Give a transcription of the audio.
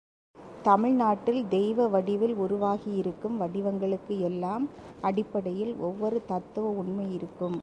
தமிழ் நாட்டில் தெய்வ வடிவில் உருவாகியிருக்கும் வடிவங்களுக்கு எல்லாம் அடிப்படையில் ஒவ்வொரு தத்துவ உண்மையிருக்கும்.